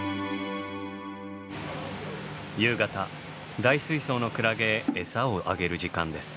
夕方大水槽のクラゲへエサをあげる時間です。